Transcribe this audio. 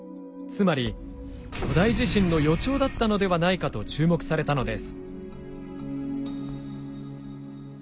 つまり巨大地震の予兆だったのではないかと注目されたのです。